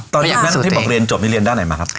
ตอนนั้นที่บอกเรียนจบที่เรียนด้านไหนมาครับ